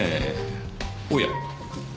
おや。